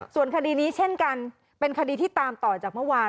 ส่วนคดีนี้เช่นกันเป็นคดีที่ตามต่อจากเมื่อวาน